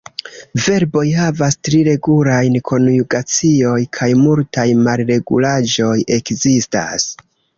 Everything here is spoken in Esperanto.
Verboj havas tri regulajn konjugaciojn, kaj multaj malregulaĵoj ekzistas.